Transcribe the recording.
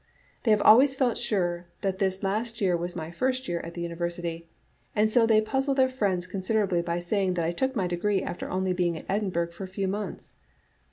They have always felt sure that this last year was my first year at the University, and so they puzzle their friends considerably by saying that I took my degree after only being at Edinburgh for a few months.